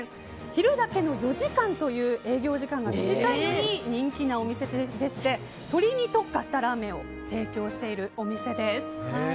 昼だけの４時間という営業時間が短いのに人気なお店でして鶏に特化したラーメンを提供しているお店です。